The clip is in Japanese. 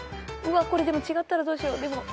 これでも違ったらどうしよう。